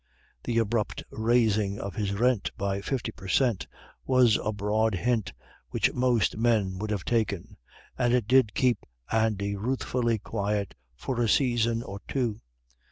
The abrupt raising of his rent by fifty per cent, was a broad hint which most men would have taken; and it did keep Andy ruefully quiet for a season or two.